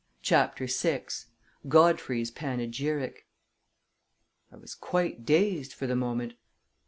CHAPTER VI Godfrey's Panegyric I was quite dazed for the moment.